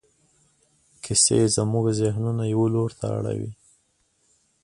کیسې زموږ ذهنونه یوه لور ته اړوي.